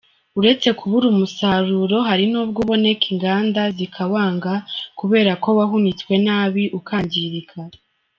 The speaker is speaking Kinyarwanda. Uretse kubura umusaruro hari n’ubwo uboneka inganda zikawanga kubera ko wahunitswe nabi ukangirika.